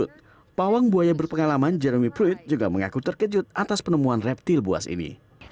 terima kasih pawang buaya berpengalaman jeremy fruit juga mengaku terkejut atas penemuan reptil buas ini